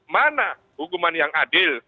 mana hukuman yang adil